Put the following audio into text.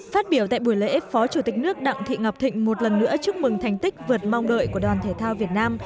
phát biểu tại buổi lễ phó chủ tịch nước đặng thị ngọc thịnh một lần nữa chúc mừng thành tích vượt mong đợi của đoàn thể thao việt nam